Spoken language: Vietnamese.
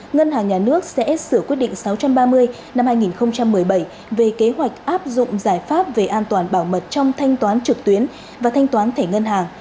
ngân hàng nhà nước sẽ sửa quyết định sáu trăm ba mươi năm hai nghìn một mươi bảy về kế hoạch áp dụng giải pháp về an toàn bảo mật trong thanh toán trực tuyến và thanh toán thẻ ngân hàng